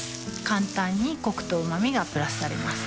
簡単にコクとうま味がプラスされます